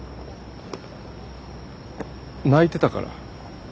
泣いてたから。